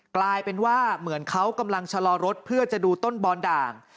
กลายเป็นว่าเหมือนเขากำลังชะลอรถเพื่อจะดูต้นบอนด่าง